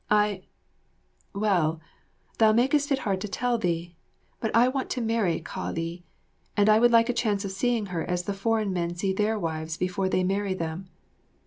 I well thou makest it hard to tell thee, but I want to marry Kah li, and I would like a chance of seeing her as the foreign men see their wives before they marry them."